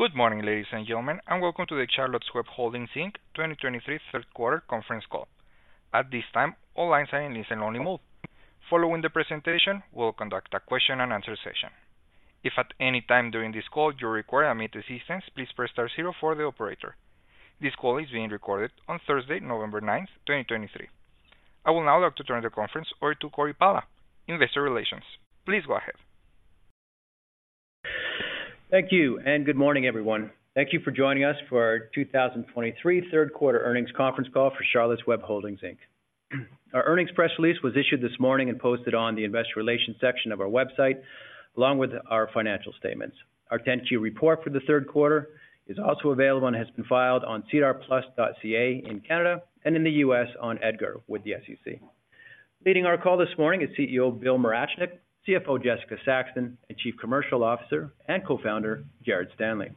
Good morning, ladies and gentlemen, and welcome to the Charlotte's Web Holdings, Inc. 2023 third quarter conference call. At this time, all lines are in listen-only mode. Following the presentation, we'll conduct a question and answer session. If at any time during this call you require immediate assistance, please press star zero for the operator. This call is being recorded on Thursday, November 9th, 2023. I will now like to turn the conference over to Cory Pala, Investor Relations. Please go ahead. Thank you, and good morning, everyone. Thank you for joining us for our 2023 third quarter earnings conference call for Charlotte's Web Holdings, Inc. Our earnings press release was issued this morning and posted on the investor relations section of our website, along with our financial statements. Our 10-Q report for the third quarter is also available and has been filed on sedarplus.ca in Canada and in the U.S. on EDGAR with the SEC. Leading our call this morning is CEO Bill Morachnick, CFO Jessica Saxton, and Chief Commercial Officer and Co-founder Jared Stanley.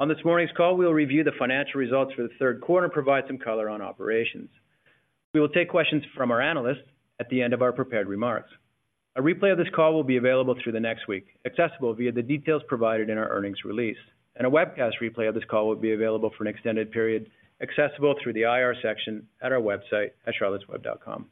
On this morning's call, we'll review the financial results for the third quarter and provide some color on operations. We will take questions from our analysts at the end of our prepared remarks. A replay of this call will be available through the next week, accessible via the details provided in our earnings release. A webcast replay of this call will be available for an extended period, accessible through the IR section at our website at charlottesweb.com.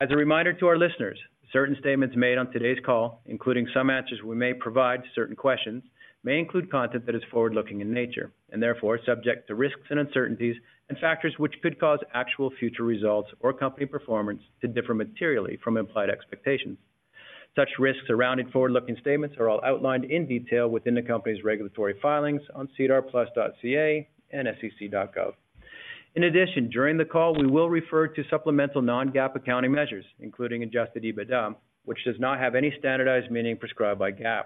As a reminder to our listeners, certain statements made on today's call, including some answers we may provide to certain questions, may include content that is forward-looking in nature, and therefore subject to risks and uncertainties and factors which could cause actual future results or company performance to differ materially from implied expectations. Such risks around in forward-looking statements are all outlined in detail within the company's regulatory filings on sedarplus.ca and sec.gov. In addition, during the call, we will refer to supplemental non-GAAP accounting measures, including adjusted EBITDA, which does not have any standardized meaning prescribed by GAAP.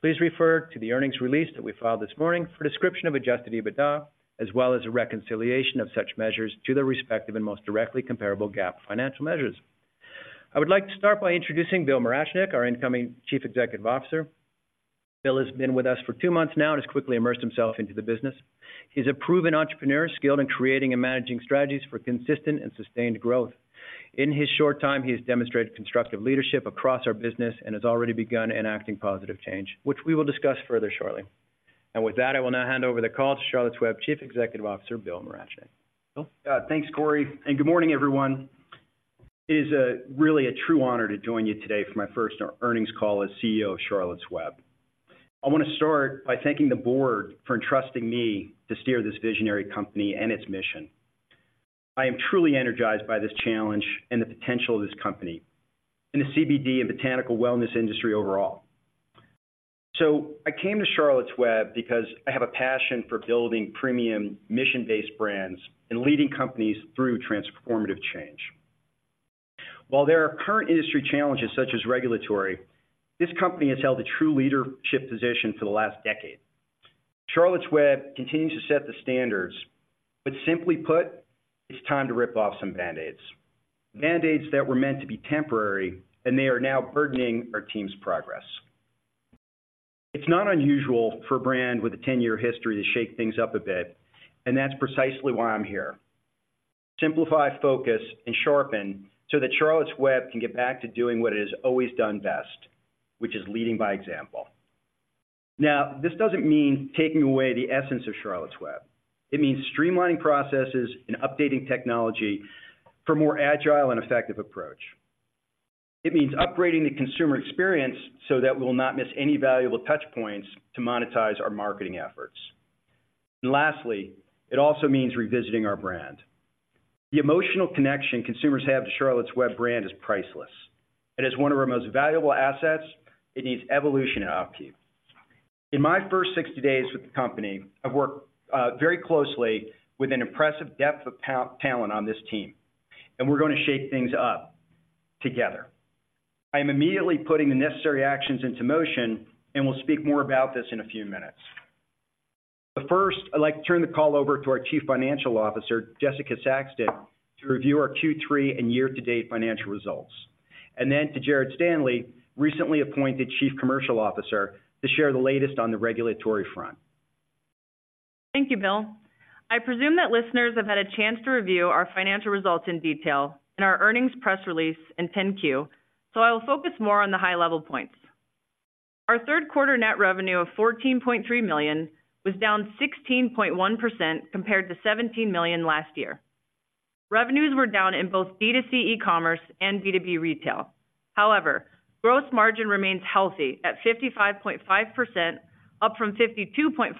Please refer to the earnings release that we filed this morning for a description of adjusted EBITDA, as well as a reconciliation of such measures to their respective and most directly comparable GAAP financial measures. I would like to start by introducing Bill Morachnick, our incoming Chief Executive Officer. Bill has been with us for two months now and has quickly immersed himself into the business. He's a proven entrepreneur, skilled in creating and managing strategies for consistent and sustained growth. In his short time, he has demonstrated constructive leadership across our business and has already begun enacting positive change, which we will discuss further shortly. And with that, I will now hand over the call to Charlotte's Web Chief Executive Officer, Bill Morachnick. Bill? Thanks, Cory, and good morning, everyone. It is really a true honor to join you today for my first earnings call as CEO of Charlotte's Web. I want to start by thanking the Board for entrusting me to steer this visionary company and its mission. I am truly energized by this challenge and the potential of this company, in the CBD and botanical wellness industry overall. So I came to Charlotte's Web because I have a passion for building premium mission-based brands and leading companies through transformative change. While there are current industry challenges such as regulatory, this company has held a true leadership position for the last decade. Charlotte's Web continues to set the standards, but simply put, it's time to rip off some Band-Aids. Band-Aids that were meant to be temporary, and they are now burdening our team's progress. It's not unusual for a brand with a 10-year history to shake things up a bit, and that's precisely why I'm here. Simplify, focus, and sharpen so that Charlotte's Web can get back to doing what it has always done best, which is leading by example. Now, this doesn't mean taking away the essence of Charlotte's Web. It means streamlining processes and updating technology for more agile and effective approach. It means upgrading the consumer experience so that we will not miss any valuable touch points to monetize our marketing efforts. And lastly, it also means revisiting our brand. The emotional connection consumers have to Charlotte's Web brand is priceless. It is one of our most valuable assets. It needs evolution and upkeep. In my first 60 days with the company, I've worked very closely with an impressive depth of talent on this team, and we're going to shake things up together. I am immediately putting the necessary actions into motion, and we'll speak more about this in a few minutes. But first, I'd like to turn the call over to our Chief Financial Officer, Jessica Saxton, to review our Q3 and year-to-date financial results, and then to Jared Stanley, recently appointed Chief Commercial Officer, to share the latest on the regulatory front. Thank you, Bill. I presume that listeners have had a chance to review our financial results in detail in our earnings press release and 10-Q, so I will focus more on the high-level points. Our third quarter net revenue of $14.3 million was down 16.1% compared to $17 million last year. Revenues were down in both B2C e-commerce and B2B retail. However, gross margin remains healthy at 55.5%, up from 52.5%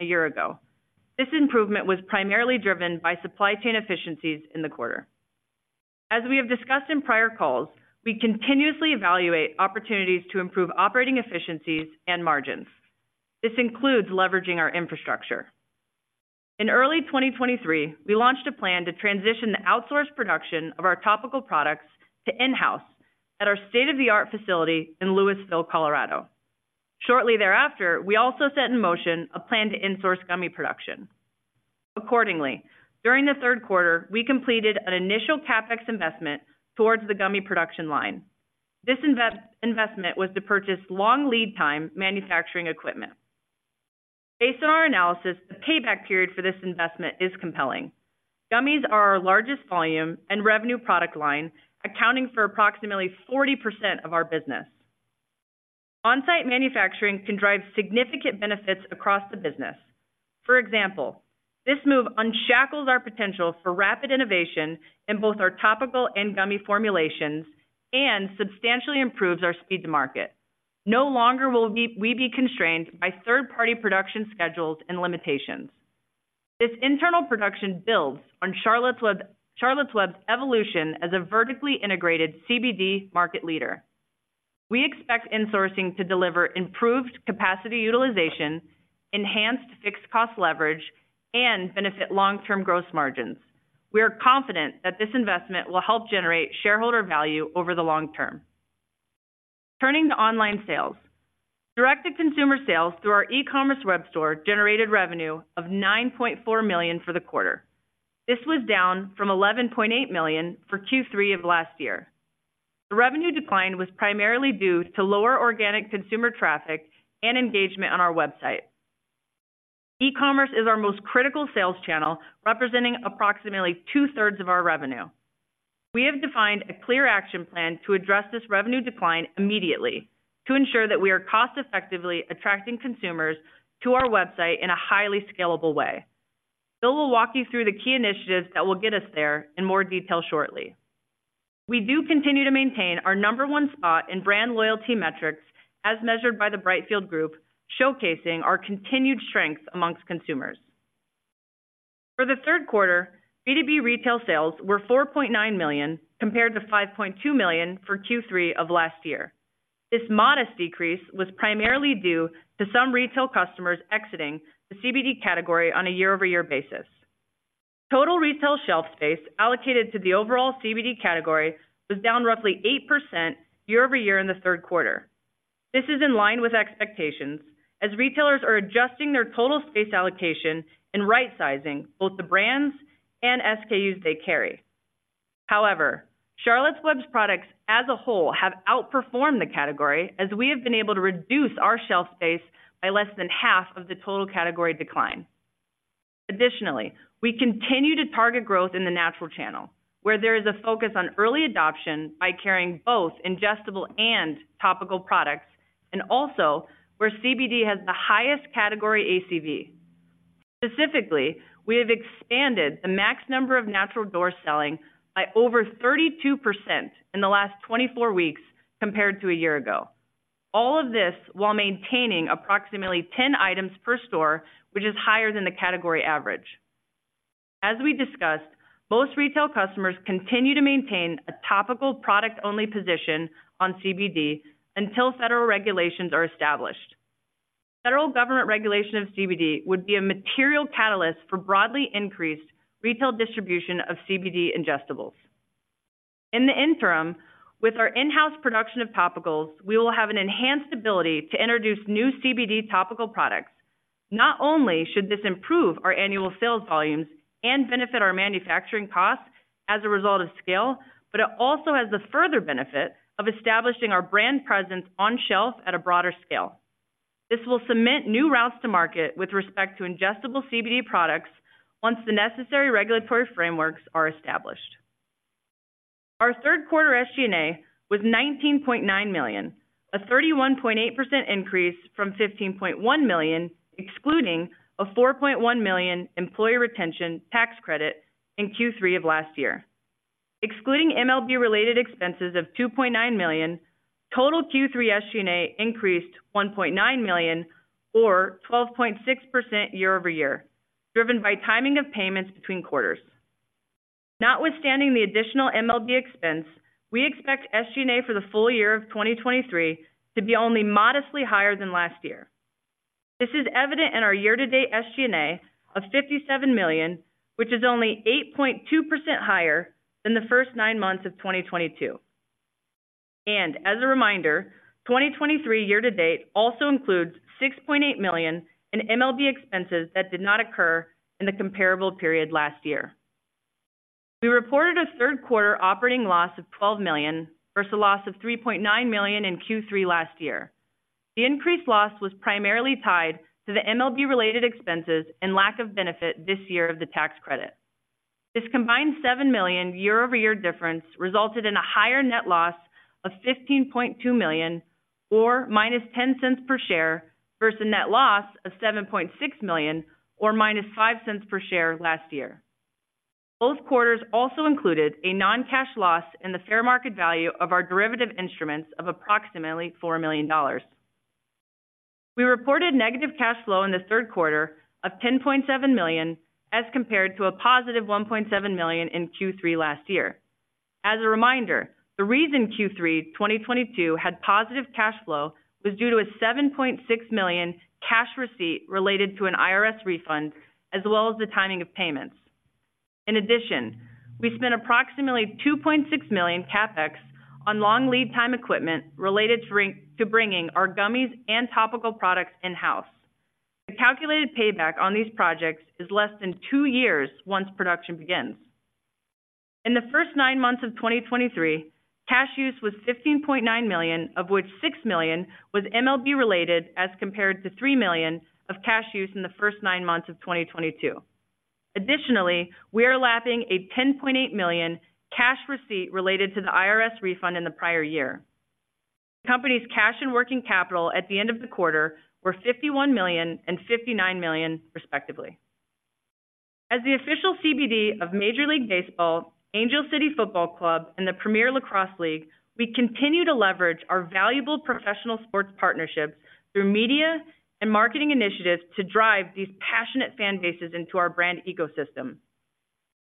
a year ago. This improvement was primarily driven by supply chain efficiencies in the quarter. As we have discussed in prior calls, we continuously evaluate opportunities to improve operating efficiencies and margins. This includes leveraging our infrastructure. In early 2023, we launched a plan to transition the outsourced production of our topical products to in-house at our state-of-the-art facility in Louisville, Colorado. Shortly thereafter, we also set in motion a plan to insource gummy production. Accordingly, during the third quarter, we completed an initial CapEx investment towards the gummy production line. This investment was to purchase long lead time manufacturing equipment. Based on our analysis, the payback period for this investment is compelling. Gummies are our largest volume and revenue product line, accounting for approximately 40% of our business. On-site manufacturing can drive significant benefits across the business. For example, this move unshackles our potential for rapid innovation in both our topical and gummy formulations, and substantially improves our speed to market. No longer will we be constrained by third-party production schedules and limitations. This internal production builds on Charlotte's Web's evolution as a vertically integrated CBD market leader. We expect insourcing to deliver improved capacity utilization, enhanced fixed cost leverage, and benefit long-term gross margins. We are confident that this investment will help generate shareholder value over the long term. Turning to online sales. Direct-to-consumer sales through our e-commerce web store generated revenue of $9.4 million for the quarter. This was down from $11.8 million for Q3 of last year. The revenue decline was primarily due to lower organic consumer traffic and engagement on our website. E-commerce is our most critical sales channel, representing approximately 2/3 of our revenue. We have defined a clear action plan to address this revenue decline immediately, to ensure that we are cost-effectively attracting consumers to our website in a highly scalable way. Bill will walk you through the key initiatives that will get us there in more detail shortly. We do continue to maintain our number one spot in brand loyalty metrics as measured by the Brightfield Group, showcasing our continued strength among consumers. For the third quarter, B2B retail sales were $4.9 million, compared to $5.2 million for Q3 of last year. This modest decrease was primarily due to some retail customers exiting the CBD category on a year-over-year basis. Total retail shelf space allocated to the overall CBD category was down roughly 8% year-over-year in the third quarter. This is in line with expectations, as retailers are adjusting their total space allocation and right-sizing both the brands and SKUs they carry. However, Charlotte's Web's products as a whole, have outperformed the category as we have been able to reduce our shelf space by less than half of the total category decline. Additionally, we continue to target growth in the natural channel, where there is a focus on early adoption by carrying both ingestible and topical products, and also where CBD has the highest category ACV. Specifically, we have expanded the max number of natural doors selling by over 32% in the last 24 weeks compared to a year ago. All of this, while maintaining approximately 10 items per store, which is higher than the category average. As we discussed, most retail customers continue to maintain a topical product-only position on CBD until federal regulations are established. Federal government regulation of CBD would be a material catalyst for broadly increased retail distribution of CBD ingestibles. In the interim, with our in-house production of topicals, we will have an enhanced ability to introduce new CBD topical products. Not only should this improve our annual sales volumes and benefit our manufacturing costs as a result of scale, but it also has the further benefit of establishing our brand presence on shelf at a broader scale. This will cement new routes to market with respect to ingestible CBD products, once the necessary regulatory frameworks are established. Our third quarter SG&A was $19.9 million, a 31.8% increase from $15.1 million, excluding a $4.1 million employee retention tax credit in Q3 of last year. Excluding MLB-related expenses of $2.9 million, total Q3 SG&A increased $1.9 million or 12.6% year-over-year, driven by timing of payments between quarters. Notwithstanding the additional MLB expense, we expect SG&A for the full year of 2023 to be only modestly higher than last year. This is evident in our year-to-date SG&A of $57 million, which is only 8.2% higher than the first nine months of 2022. And as a reminder, 2023 year to date, also includes $6.8 million in MLB expenses that did not occur in the comparable period last year. We reported a third quarter operating loss of $12 million, versus a loss of $3.9 million in Q3 last year. The increased loss was primarily tied to the MLB-related expenses and lack of benefit this year of the tax credit. This combined $7 million year-over-year difference resulted in a higher net loss of $15.2 million, or minus $0.10 per share, versus a net loss of $7.6 million, or minus $0.05 per share last year. Both quarters also included a non-cash loss in the fair market value of our derivative instruments of approximately $4 million. We reported negative cash flow in the third quarter of $10.7 million, as compared to a positive $1.7 million in Q3 last year. As a reminder, the reason Q3 2022 had positive cash flow was due to a $7.6 million cash receipt related to an IRS refund, as well as the timing of payments. In addition, we spent approximately $2.6 million CapEx on long lead time equipment related to bringing our gummies and topical products in-house. The calculated payback on these projects is less than two years once production begins.... In the first nine months of 2023, cash use was $15.9 million, of which $6 million was MLB related, as compared to $3 million of cash use in the first nine months of 2022. Additionally, we are lapping a $10.8 million cash receipt related to the IRS refund in the prior year. The company's cash and working capital at the end of the quarter were $51 million and $59 million, respectively. As the official CBD of Major League Baseball, Angel City Football Club, and the Premier Lacrosse League, we continue to leverage our valuable professional sports partnerships through media and marketing initiatives to drive these passionate fan bases into our brand ecosystem.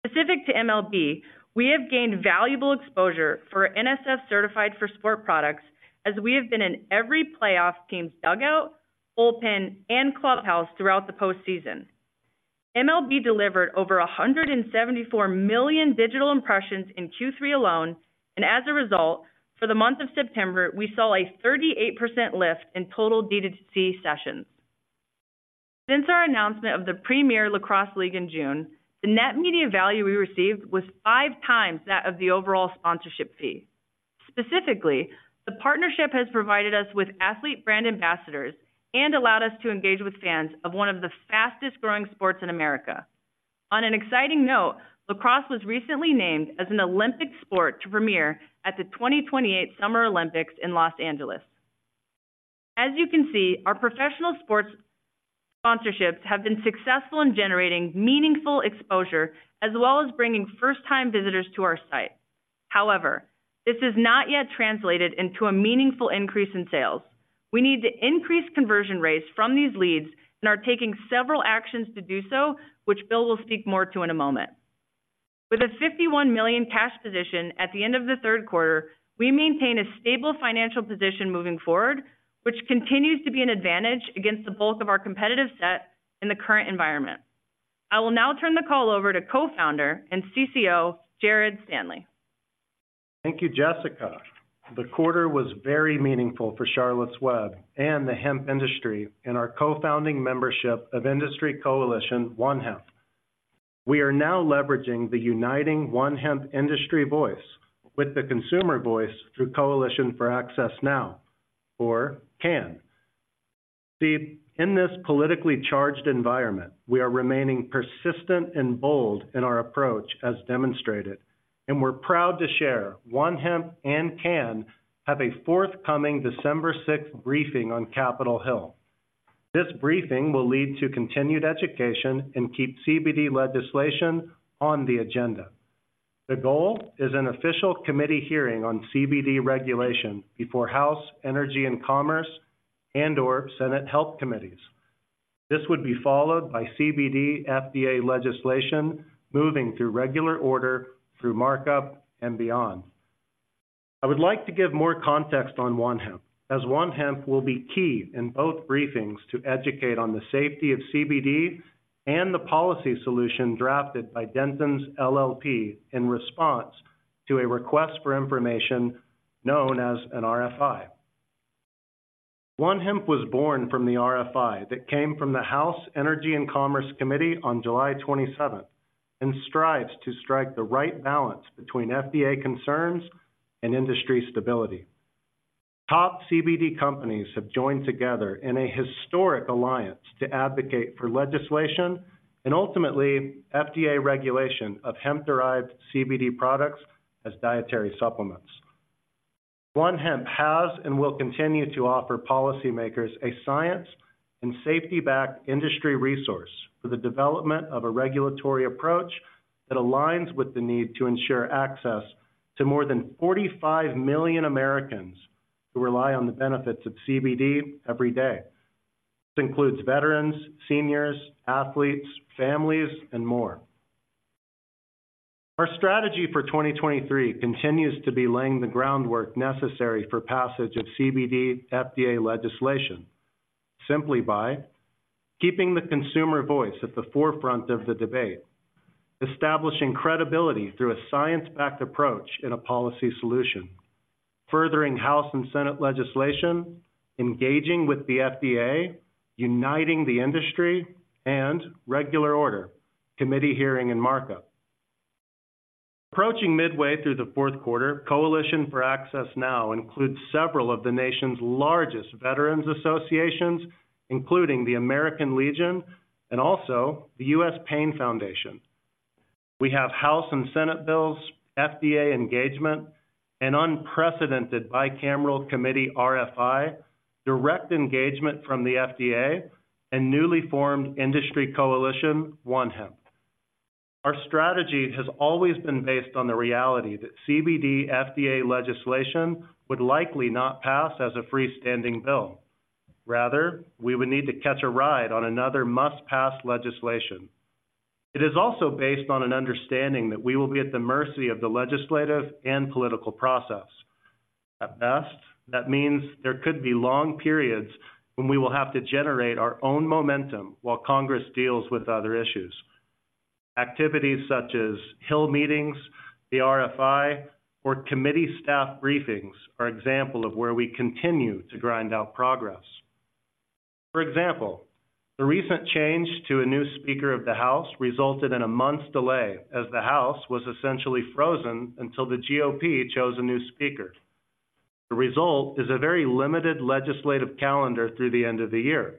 Specific to MLB, we have gained valuable exposure for NSF Certified for Sport products, as we have been in every playoff team's dugout, bullpen, and clubhouse throughout the postseason. MLB delivered over 174 million digital impressions in Q3 alone, and as a result, for the month of September, we saw a 38% lift in total D2C sessions. Since our announcement of the Premier Lacrosse League in June, the net media value we received was 5 times that of the overall sponsorship fee. Specifically, the partnership has provided us with athlete brand ambassadors and allowed us to engage with fans of one of the fastest-growing sports in America. On an exciting note, lacrosse was recently named as an Olympic sport to premiere at the 2028 Summer Olympics in Los Angeles. As you can see, our professional sports sponsorships have been successful in generating meaningful exposure, as well as bringing first-time visitors to our site. However, this has not yet translated into a meaningful increase in sales. We need to increase conversion rates from these leads and are taking several actions to do so, which Bill will speak more to in a moment. With a $51 million cash position at the end of the third quarter, we maintain a stable financial position moving forward, which continues to be an advantage against the bulk of our competitive set in the current environment. I will now turn the call over to Co-Founder and CCO, Jared Stanley. Thank you, Jessica. The quarter was very meaningful for Charlotte's Web and the hemp industry, and our co-founding membership of industry Coalition One Hemp. We are now leveraging the uniting One Hemp industry voice with the consumer voice through Coalition for Access Now, or CAN. See, in this politically charged environment, we are remaining persistent and bold in our approach, as demonstrated, and we're proud to share One Hemp and CAN have a forthcoming December 6th briefing on Capitol Hill. This briefing will lead to continued education and keep CBD legislation on the agenda. The goal is an official committee hearing on CBD regulation before House Energy and Commerce, and/or Senate Health Committees. This would be followed by CBD FDA legislation moving through regular order, through markup and beyond. I would like to give more context on One Hemp, as One Hemp will be key in both briefings to educate on the safety of CBD and the policy solution drafted by Dentons LLP in response to a request for information known as an RFI. One Hemp was born from the RFI that came from the House Energy and Commerce Committee on July 27th, and strives to strike the right balance between FDA concerns and industry stability. Top CBD companies have joined together in a historic alliance to advocate for legislation and ultimately FDA regulation of hemp-derived CBD products as dietary supplements. One Hemp has and will continue to offer policymakers a science and safety-backed industry resource for the development of a regulatory approach that aligns with the need to ensure access to more than 45 million Americans who rely on the benefits of CBD every day. This includes veterans, seniors, athletes, families, and more. Our strategy for 2023 continues to be laying the groundwork necessary for passage of CBD FDA legislation, simply by keeping the consumer voice at the forefront of the debate, establishing credibility through a science-backed approach in a policy solution, furthering House and Senate legislation, engaging with the FDA, uniting the industry, and regular order, committee hearing, and markup. Approaching midway through the fourth quarter, Coalition for Access Now includes several of the nation's largest veterans associations, including the American Legion and also the U.S. Pain Foundation. We have House and Senate bills, FDA engagement, an unprecedented bicameral committee RFI, direct engagement from the FDA, and newly formed industry coalition, One Hemp. Our strategy has always been based on the reality that CBD FDA legislation would likely not pass as a freestanding bill. Rather, we would need to catch a ride on another must-pass legislation. It is also based on an understanding that we will be at the mercy of the legislative and political process. At best, that means there could be long periods when we will have to generate our own momentum while Congress deals with other issues. Activities such as Hill meetings, the RFI, or committee staff briefings are example of where we continue to grind out progress. For example, the recent change to a new speaker of the House resulted in a month's delay, as the House was essentially frozen until the GOP chose a new speaker. The result is a very limited legislative calendar through the end of the year.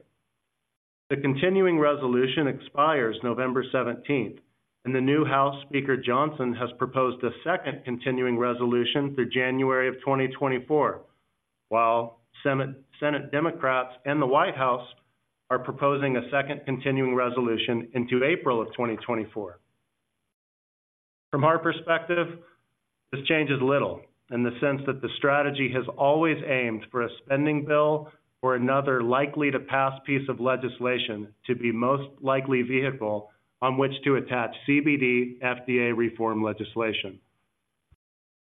The continuing resolution expires November 17th, and the new House Speaker Johnson has proposed a second continuing resolution through January 2024, while Senate, Senate Democrats and the White House are proposing a second continuing resolution into April 2024. From our perspective, this changes little in the sense that the strategy has always aimed for a spending bill or another likely to pass piece of legislation to be most likely vehicle on which to attach CBD FDA reform legislation.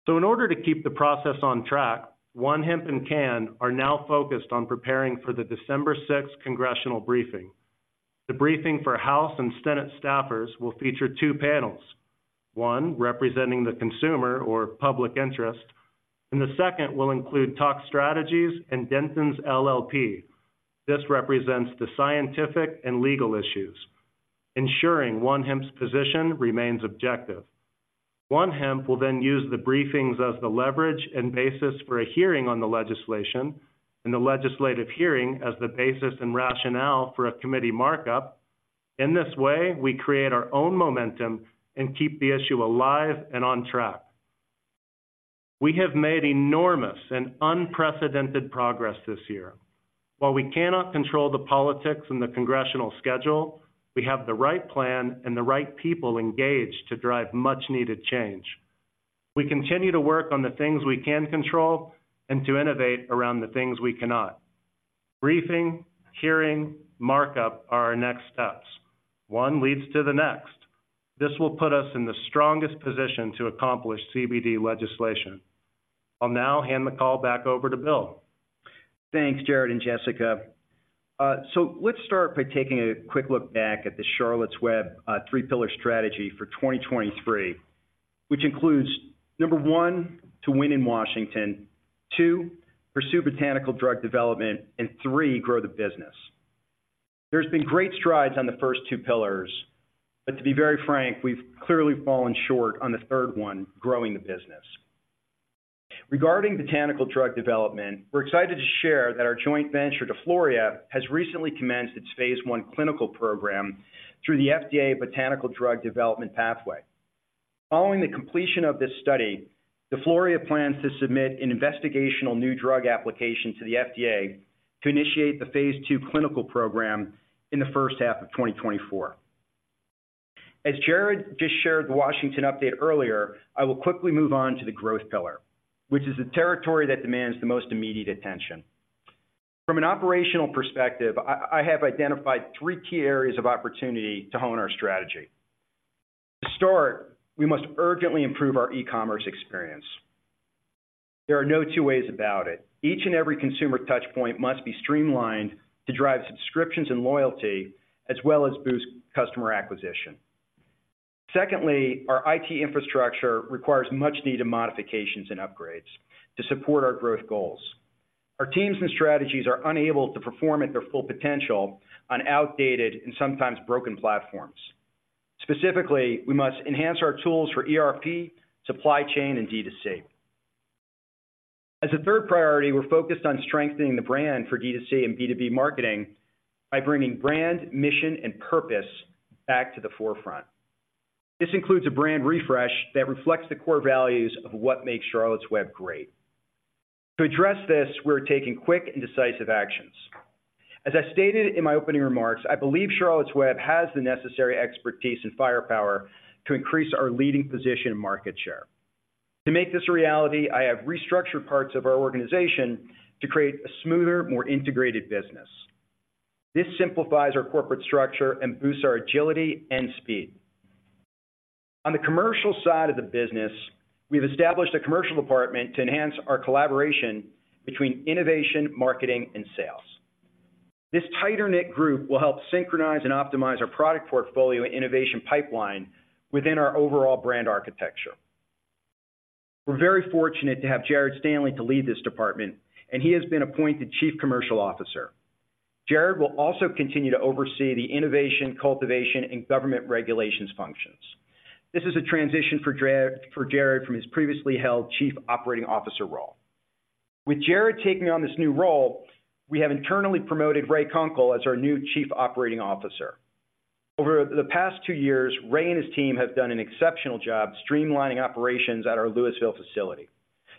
So in order to keep the process on track, One Hemp and CAN are now focused on preparing for the December 6th congressional briefing. The briefing for House and Senate staffers will feature two panels, one representing the consumer or public interest, and the second will include ToxStrategies and Dentons LLP. This represents the scientific and legal issues, ensuring One Hemp's position remains objective. One Hemp will then use the briefings as the leverage and basis for a hearing on the legislation, and the legislative hearing as the basis and rationale for a committee markup. In this way, we create our own momentum and keep the issue alive and on track. We have made enormous and unprecedented progress this year. While we cannot control the politics and the congressional schedule, we have the right plan and the right people engaged to drive much needed change. We continue to work on the things we can control and to innovate around the things we cannot. Briefing, hearing, markup are our next steps. One leads to the next. This will put us in the strongest position to accomplish CBD legislation. I'll now hand the call back over to Bill. Thanks, Jared and Jessica. So let's start by taking a quick look back at the Charlotte's Web three-pillar strategy for 2023, which includes, number one, to win in Washington, two, pursue botanical drug development, and three, grow the business. There's been great strides on the first two pillars, but to be very frank, we've clearly fallen short on the third one, growing the business. Regarding botanical drug development, we're excited to share that our joint venture, DeFloria, has recently commenced its phase I clinical program through the FDA Botanical Drug Development Pathway. Following the completion of this study, DeFloria plans to submit an investigational new drug application to the FDA to initiate the phase II clinical program in the first half of 2024. As Jared just shared the Washington update earlier, I will quickly move on to the growth pillar, which is the territory that demands the most immediate attention. From an operational perspective, I have identified three key areas of opportunity to hone our strategy. To start, we must urgently improve our e-commerce experience. There are no two ways about it. Each and every consumer touch point must be streamlined to drive subscriptions and loyalty, as well as boost customer acquisition. Secondly, our IT infrastructure requires much needed modifications and upgrades to support our growth goals. Our teams and strategies are unable to perform at their full potential on outdated and sometimes broken platforms. Specifically, we must enhance our tools for ERP, supply chain, and D2C. As a third priority, we're focused on strengthening the brand for D2C and B2B marketing by bringing brand, mission, and purpose back to the forefront. This includes a brand refresh that reflects the core values of what makes Charlotte's Web great. To address this, we're taking quick and decisive actions. As I stated in my opening remarks, I believe Charlotte's Web has the necessary expertise and firepower to increase our leading position in market share. To make this a reality, I have restructured parts of our organization to create a smoother, more integrated business. This simplifies our corporate structure and boosts our agility and speed. On the commercial side of the business, we've established a commercial department to enhance our collaboration between innovation, marketing, and sales. This tighter-knit group will help synchronize and optimize our product portfolio and innovation pipeline within our overall brand architecture. We're very fortunate to have Jared Stanley to lead this department, and he has been appointed Chief Commercial Officer. Jared will also continue to oversee the innovation, cultivation, and government regulations functions. This is a transition for Jared from his previously held Chief Operating Officer role. With Jared taking on this new role, we have internally promoted Ray Kunkel as our new Chief Operating Officer. Over the past two years, Ray and his team have done an exceptional job streamlining operations at our Louisville facility.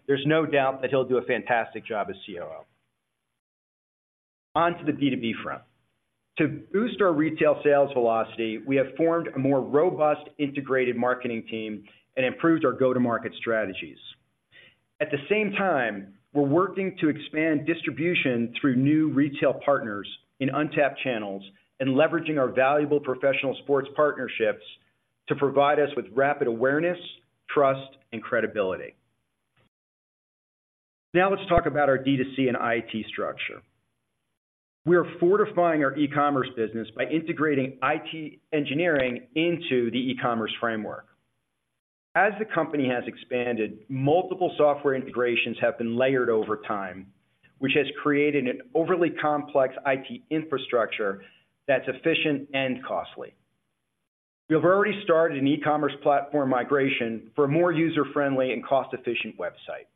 There's no doubt that he'll do a fantastic job as COO. On to the B2B front. To boost our retail sales velocity, we have formed a more robust, integrated marketing team and improved our go-to-market strategies. At the same time, we're working to expand distribution through new retail partners in untapped channels and leveraging our valuable professional sports partnerships to provide us with rapid awareness, trust, and credibility. Now, let's talk about our D2C and IT structure. We are fortifying our e-commerce business by integrating IT engineering into the e-commerce framework. As the company has expanded, multiple software integrations have been layered over time, which has created an overly complex IT infrastructure that's efficient and costly. We have already started an e-commerce platform migration for a more user-friendly and cost-efficient website.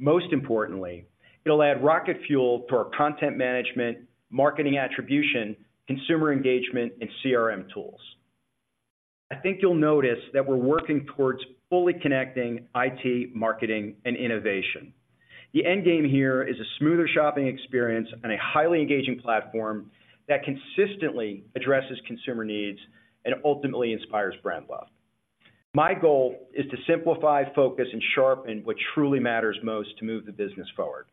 Most importantly, it'll add rocket fuel to our content management, marketing attribution, consumer engagement, and CRM tools. I think you'll notice that we're working towards fully connecting IT, marketing, and innovation. The end game here is a smoother shopping experience and a highly engaging platform that consistently addresses consumer needs and ultimately inspires brand love. My goal is to simplify, focus, and sharpen what truly matters most to move the business forward.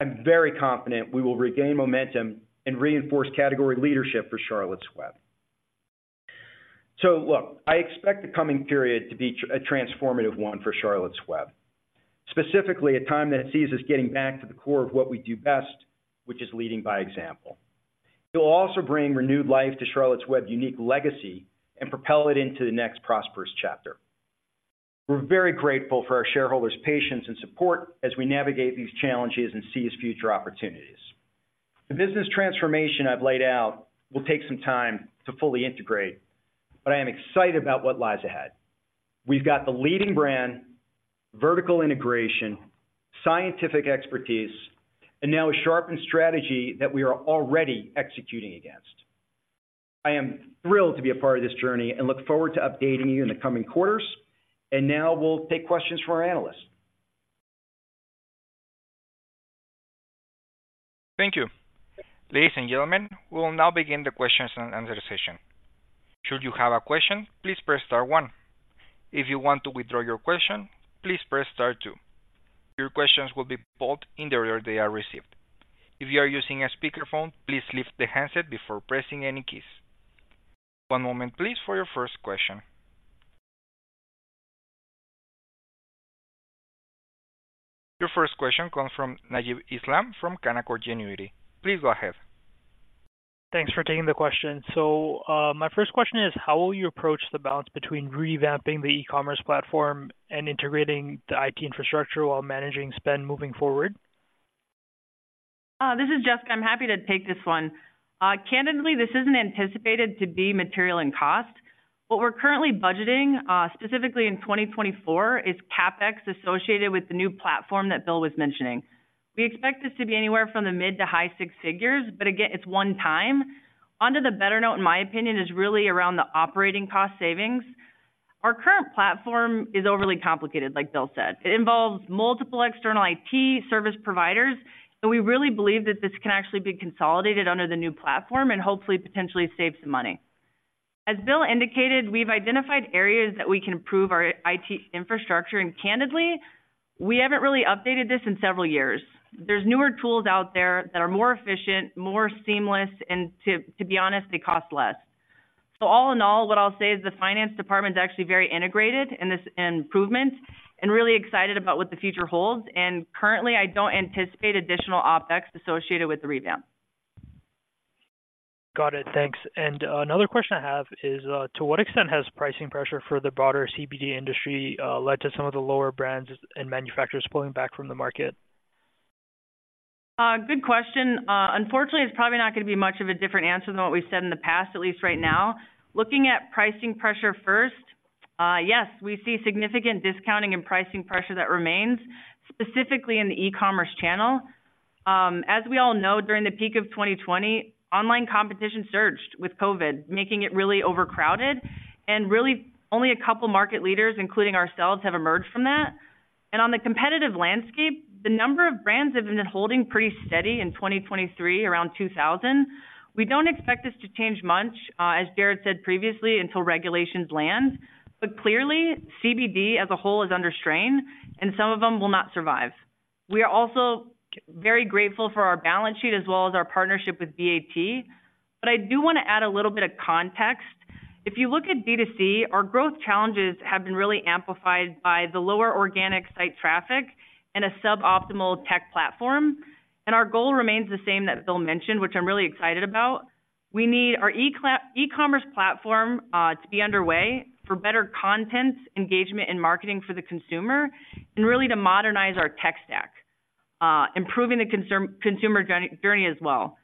I'm very confident we will regain momentum and reinforce category leadership for Charlotte's Web. So look, I expect the coming period to be a transformative one for Charlotte's Web, specifically, a time that it sees us getting back to the core of what we do best, which is leading by example. It will also bring renewed life to Charlotte's Web unique legacy and propel it into the next prosperous chapter. We're very grateful for our shareholders' patience and support as we navigate these challenges and seize future opportunities. The business transformation I've laid out will take some time to fully integrate, but I am excited about what lies ahead. We've got the leading brand, vertical integration, scientific expertise, and now a sharpened strategy that we are already executing against. I am thrilled to be a part of this journey and look forward to updating you in the coming quarters. Now we'll take questions from our analysts. Thank you. Ladies and gentlemen, we will now begin the questions and answer session. Should you have a question, please press star one. If you want to withdraw your question, please press star two. Your questions will be put in the order they are received. If you are using a speakerphone, please lift the handset before pressing any keys. One moment, please, for your first question. Your first question comes from Najib Islam, from Canaccord Genuity. Please go ahead. Thanks for taking the question. So, my first question is, how will you approach the balance between revamping the e-commerce platform and integrating the IT infrastructure while managing spend moving forward? This is Jessica. I'm happy to take this one. Candidly, this isn't anticipated to be material in cost. What we're currently budgeting, specifically in 2024, is CapEx associated with the new platform that Bill was mentioning. We expect this to be anywhere from the mid- to high six figures, but again, it's one time. Onto the better note, in my opinion, is really around the operating cost savings. Our current platform is overly complicated, like Bill said. It involves multiple external IT service providers, and we really believe that this can actually be consolidated under the new platform and hopefully potentially save some money. As Bill indicated, we've identified areas that we can improve our IT infrastructure, and candidly, we haven't really updated this in several years. There's newer tools out there that are more efficient, more seamless, and to be honest, they cost less. All in all, what I'll say is the finance department is actually very integrated in this improvement and really excited about what the future holds, and currently, I don't anticipate additional OpEx associated with the revamp. Got it. Thanks. Another question I have is, to what extent has pricing pressure for the broader CBD industry led to some of the lower brands and manufacturers pulling back from the market? Good question. Unfortunately, it's probably not going to be much of a different answer than what we've said in the past, at least right now. Looking at pricing pressure first, yes, we see significant discounting and pricing pressure that remains, specifically in the e-commerce channel. As we all know, during the peak of 2020, online competition surged with COVID, making it really overcrowded, and really only a couple of market leaders, including ourselves, have emerged from that. On the competitive landscape, the number of brands have been holding pretty steady in 2023, around 2,000. We don't expect this to change much, as Jared said previously, until regulations land. But clearly, CBD as a whole is under strain, and some of them will not survive. We are also very grateful for our balance sheet as well as our partnership with BAT, but I do want to add a little bit of context. If you look at D2C, our growth challenges have been really amplified by the lower organic site traffic and a suboptimal tech platform, and our goal remains the same that Bill mentioned, which I'm really excited about. We need our e-commerce platform to be underway for better content, engagement, and marketing for the consumer, and really to modernize our tech stack, improving the consumer journey as well.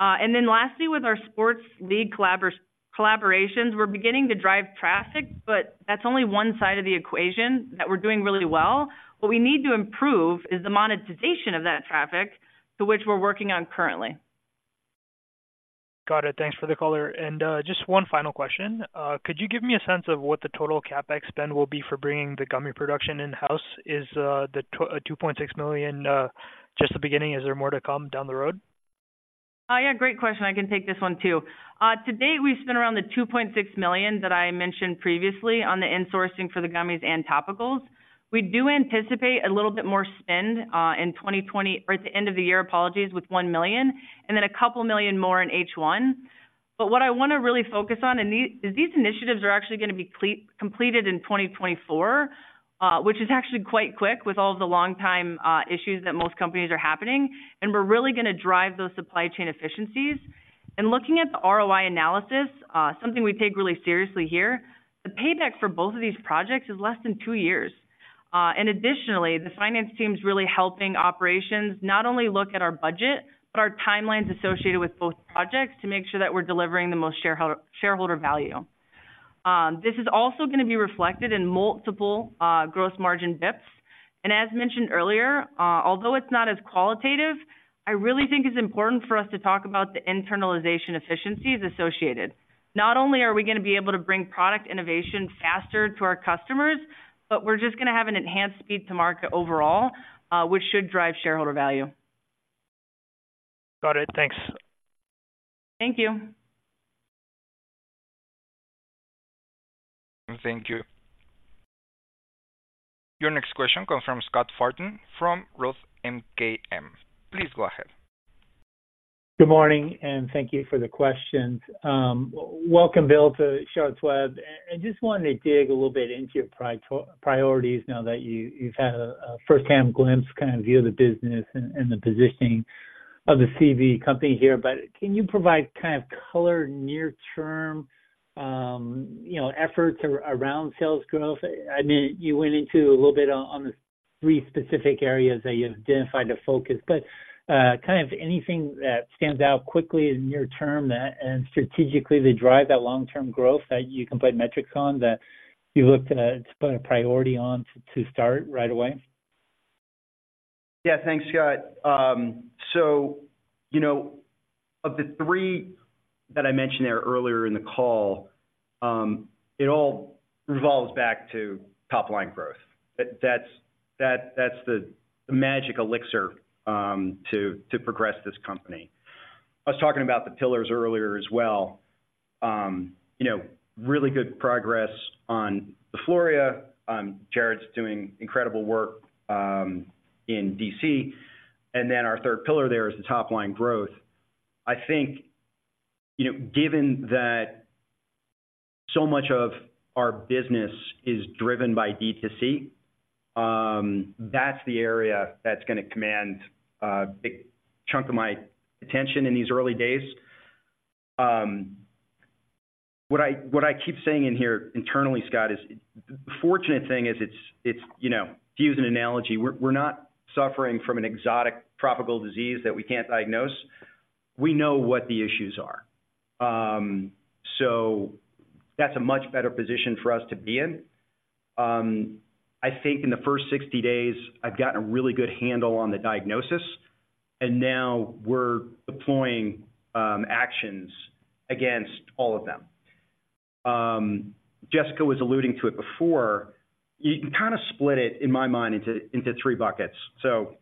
And then lastly, with our sports league collaborations, we're beginning to drive traffic, but that's only one side of the equation that we're doing really well. What we need to improve is the monetization of that traffic, to which we're working on currently. Got it. Thanks for the color. And just one final question. Could you give me a sense of what the total CapEx spend will be for bringing the gummy production in-house? Is the $2.6 million just the beginning? Is there more to come down the road? Yeah, great question. I can take this one, too. To date, we've spent around the $2.6 million that I mentioned previously on the insourcing for the gummies and topicals. We do anticipate a little bit more spend in 2020... or at the end of the year, apologies, with $1 million, and then a couple million more in H1. But what I want to really focus on, and these, is these initiatives are actually going to be completed in 2024.... which is actually quite quick with all of the long time issues that most companies are happening, and we're really going to drive those supply chain efficiencies. And looking at the ROI analysis, something we take really seriously here, the payback for both of these projects is less than two years. And additionally, the finance team is really helping operations not only look at our budget, but our timelines associated with both projects, to make sure that we're delivering the most shareholder, shareholder value. This is also going to be reflected in multiple gross margin bps. And as mentioned earlier, although it's not as qualitative, I really think it's important for us to talk about the internalization efficiencies associated. Not only are we going to be able to bring product innovation faster to our customers, but we're just going to have an enhanced speed to market overall, which should drive shareholder value. Got it. Thanks. Thank you. Thank you. Your next question comes from Scott Fortune from Roth MKM. Please go ahead. Good morning, and thank you for the questions. Welcome, Bill, to Charlotte's Web, and I just wanted to dig a little bit into your priorities now that you've had a first-hand glimpse, kind of view of the business and the positioning of the CW company here. But can you provide kind of color near-term, you know, efforts around sales growth? I mean, you went into a little bit on the three specific areas that you've identified to focus, but kind of anything that stands out quickly in near term that and strategically to drive that long-term growth, that you can put metrics on, that you looked at, put a priority on to start right away? Yeah, thanks, Scott. So you know, of the three that I mentioned there earlier in the call, it all revolves back to top line growth. That's the magic elixir to progress this company. I was talking about the pillars earlier as well. You know, really good progress on the DeFloria. Jared's doing incredible work in D.C. And then our third pillar there is the top line growth. I think, you know, given that so much of our business is driven by D2C, that's the area that's going to command a big chunk of my attention in these early days. What I keep saying in here internally, Scott, is the fortunate thing is it's, you know, to use an analogy, we're not suffering from an exotic tropical disease that we can't diagnose. We know what the issues are. So that's a much better position for us to be in. I think in the first 60 days, I've gotten a really good handle on the diagnosis, and now we're deploying actions against all of them. Jessica was alluding to it before. You can kind of split it, in my mind, into three buckets. So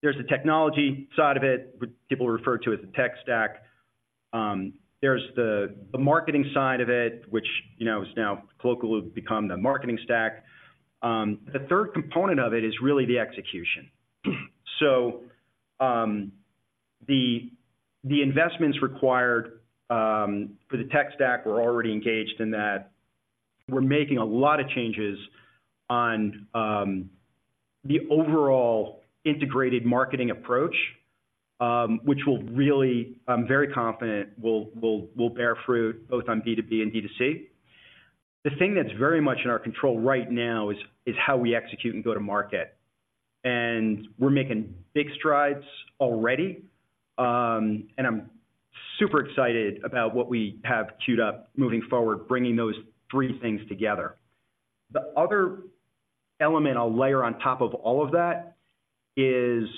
there's the technology side of it, which people refer to as the tech stack. There's the marketing side of it, which, you know, has now colloquially become the marketing stack. The third component of it is really the execution. So, the investments required for the tech stack, we're already engaged in that. We're making a lot of changes on the overall integrated marketing approach, which will really... I'm very confident will bear fruit both on B2B and B2C. The thing that's very much in our control right now is how we execute and go to market. And we're making big strides already, and I'm super excited about what we have queued up moving forward, bringing those three things together. The other element I'll layer on top of all of that is,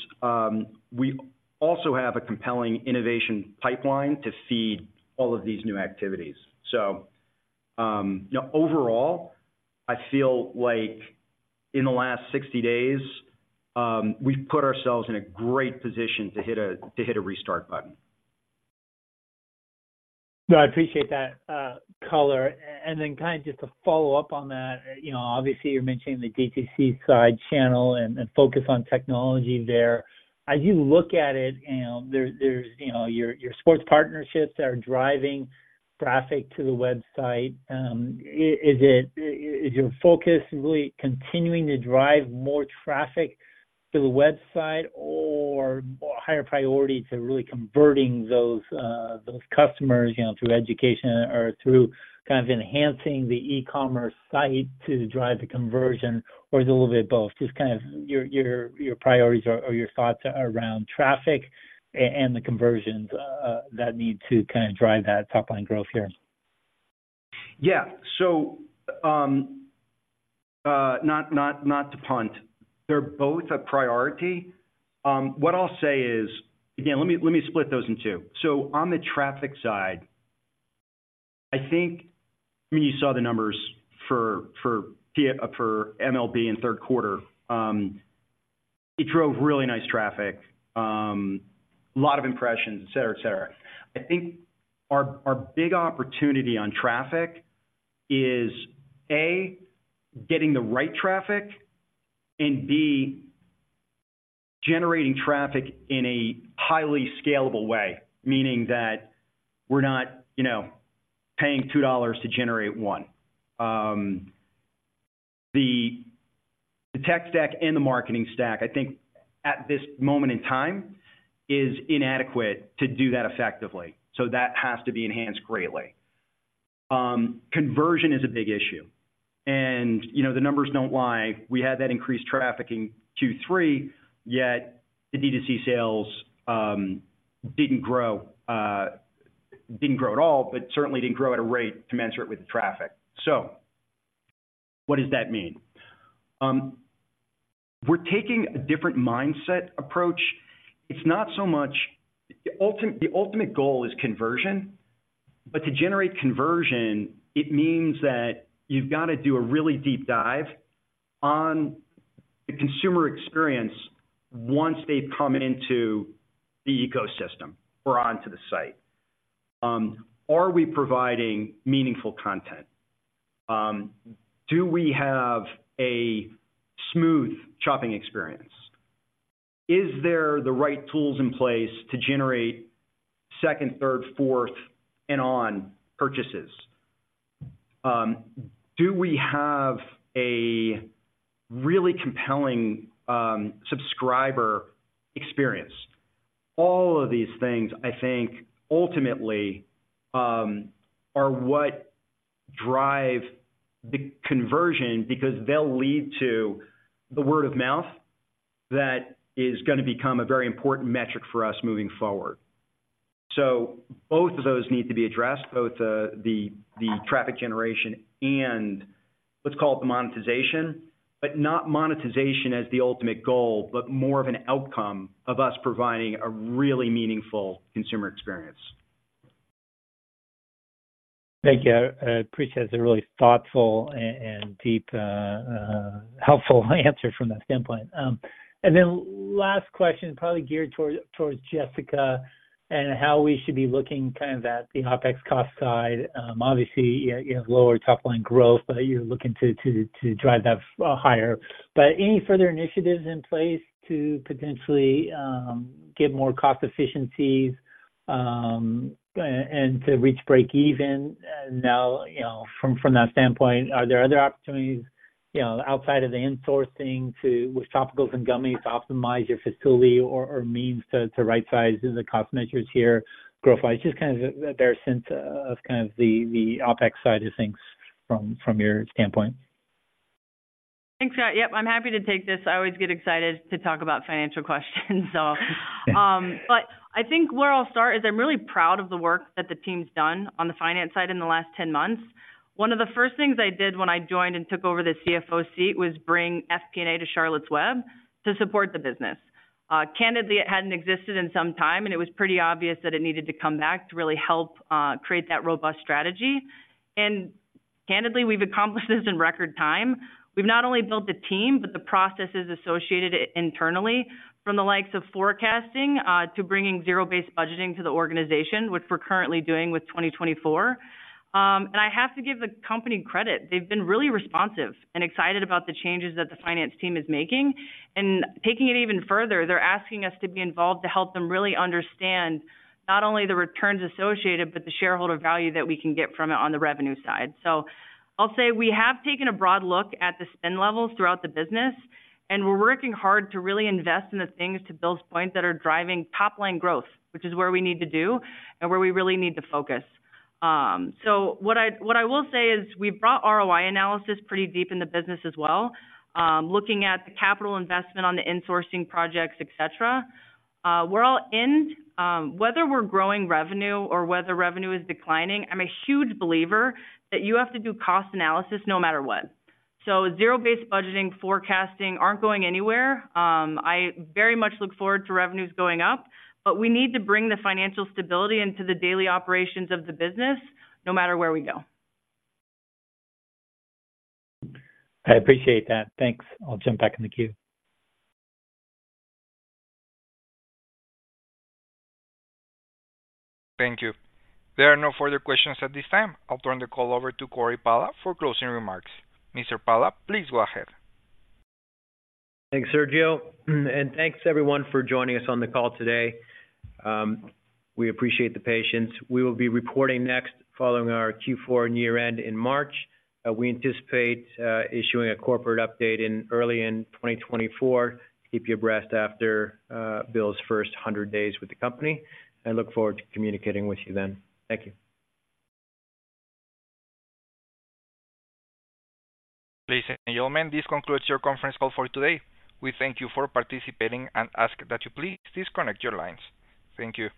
we also have a compelling innovation pipeline to feed all of these new activities. So, you know, overall, I feel like in the last 60 days, we've put ourselves in a great position to hit a restart button. No, I appreciate that, color. And then kind of just to follow up on that, you know, obviously, you're mentioning the D2C side channel and focus on technology there. As you look at it, you know, there's, you know, your sports partnerships are driving traffic to the website. Is your focus really continuing to drive more traffic to the website or higher priority to really converting those customers, you know, through education or through kind of enhancing the e-commerce site to drive the conversion? Or is it a little bit of both? Just kind of your priorities or your thoughts around traffic and the conversions that need to kind of drive that top line growth here. Yeah. So, not to punt, they're both a priority. What I'll say is... Again, let me split those in two. So on the traffic side, I think, I mean, you saw the numbers for MLB in third quarter. It drove really nice traffic, a lot of impressions, et cetera, et cetera. I think our big opportunity on traffic is, A, getting the right traffic, and B, generating traffic in a highly scalable way, meaning that we're not, you know, paying $2 to generate $1. The tech stack and the marketing stack, I think, at this moment in time, is inadequate to do that effectively. So that has to be enhanced greatly. Conversion is a big issue, and, you know, the numbers don't lie. We had that increased traffic in Q3, yet the D2C sales didn't grow, didn't grow at all, but certainly didn't grow at a rate commensurate with the traffic. So what does that mean? We're taking a different mindset approach. It's not so much... The ultimate goal is conversion, but to generate conversion, it means that you've got to do a really deep dive on the consumer experience once they've come into the ecosystem or onto the site. Are we providing meaningful content? Do we have a smooth shopping experience? Is there the right tools in place to generate second, third, fourth, and on purchases? Do we have a really compelling subscriber experience? All of these things, I think, ultimately, are what drive the conversion, because they'll lead to the word of mouth that is gonna become a very important metric for us moving forward. So both of those need to be addressed, both, the traffic generation and what's called the monetization, but not monetization as the ultimate goal, but more of an outcome of us providing a really meaningful consumer experience. Thank you. I appreciate it's a really thoughtful and, and deep, helpful answer from that standpoint. And then last question, probably geared toward, towards Jessica, and how we should be looking kind of at the OpEx cost side. Obviously, you have lower top line growth, but you're looking to, to, to drive that higher. But any further initiatives in place to potentially get more cost efficiencies, and to reach break even? Now, you know, from that standpoint, are there other opportunities, you know, outside of the insourcing to, with topicals and gummies, to optimize your facility or, or means to, to rightsize the cost measures here, growth? Just kind of a better sense of kind of the OpEx side of things from your standpoint. Thanks, Scott. Yep, I'm happy to take this. I always get excited to talk about financial questions, so... But I think where I'll start is I'm really proud of the work that the team's done on the finance side in the last 10 months. One of the first things I did when I joined and took over the CFO seat was bring FP&A to Charlotte's Web to support the business. Candidly, it hadn't existed in some time, and it was pretty obvious that it needed to come back to really help create that robust strategy. And candidly, we've accomplished this in record time. We've not only built the team, but the processes associated internally, from the likes of forecasting to bringing zero-based budgeting to the organization, which we're currently doing with 2024. And I have to give the company credit. They've been really responsive and excited about the changes that the finance team is making. And taking it even further, they're asking us to be involved to help them really understand not only the returns associated, but the shareholder value that we can get from it on the revenue side. So I'll say we have taken a broad look at the spend levels throughout the business, and we're working hard to really invest in the things, to Bill's point, that are driving top-line growth, which is where we need to do and where we really need to focus. So what I will say is we've brought ROI analysis pretty deep in the business as well, looking at the capital investment on the insourcing projects, et cetera. We're all in. Whether we're growing revenue or whether revenue is declining, I'm a huge believer that you have to do cost analysis no matter what. So zero-based budgeting, forecasting aren't going anywhere. I very much look forward to revenues going up, but we need to bring the financial stability into the daily operations of the business, no matter where we go. I appreciate that. Thanks. I'll jump back in the queue. Thank you. There are no further questions at this time. I'll turn the call over to Cory Pala for closing remarks. Mr. Pala, please go ahead. Thanks, Sergio, and thanks everyone for joining us on the call today. We appreciate the patience. We will be reporting next following our Q4 and year-end in March. We anticipate issuing a corporate update in early in 2024. Keep you abreast after Bill's first 100 days with the company. I look forward to communicating with you then. Thank you. Ladies and gentlemen, this concludes your conference call for today. We thank you for participating and ask that you please disconnect your lines. Thank you.